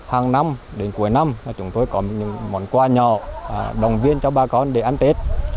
hàng năm đến cuối năm chúng tôi có những món quà nhỏ đồng viên cho bà con để ăn tết